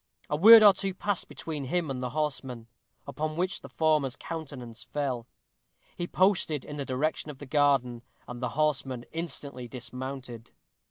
A word or two passed between him and the horsemen, upon which the former's countenance fell. He posted in the direction of the garden; and the horsemen instantly dismounted.